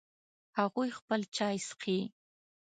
هغوی خپل چای څښي